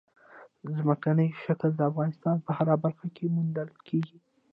ځمکنی شکل د افغانستان په هره برخه کې موندل کېږي.